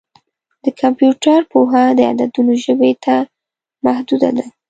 د کمپیوټر پوهه د عددونو ژبې ته محدوده ده.